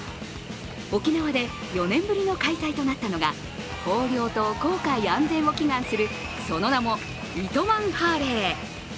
沖縄で４年ぶりの開催となったのが豊漁と航海安全を祈願するその名も糸満ハーレー。